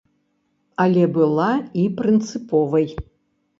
Але была і прынцыповай.